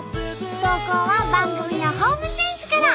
投稿は番組のホームページから。